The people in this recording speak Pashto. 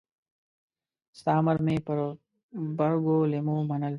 ستا امر مې پر غبرګو لېمو منل.